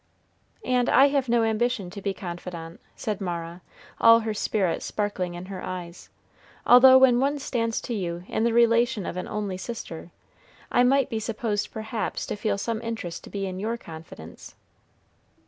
"And I have no ambition to be confidant," said Mara, all her spirit sparkling in her eyes; "although when one stands to you in the relation of an only sister, I might be supposed perhaps to feel some interest to be in your confidence."